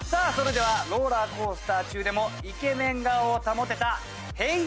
それではローラーコースター中でもイケメン顔を保てた平！